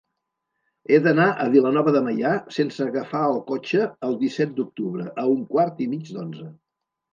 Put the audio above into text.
He d'anar a Vilanova de Meià sense agafar el cotxe el disset d'octubre a un quart i mig d'onze.